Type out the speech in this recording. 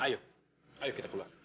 ayo kita keluar